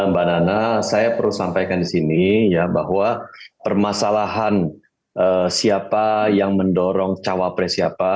mbak nana saya perlu sampaikan di sini ya bahwa permasalahan siapa yang mendorong cawapres siapa